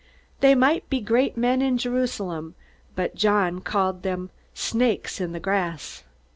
They might be great men in Jerusalem, but John called them "snakes in the grass."